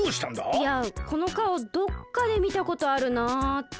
いやこのかおどっかでみたことあるなって。